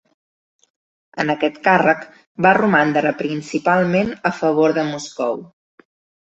En aquest càrrec, va romandre principalment a favor de Moscou.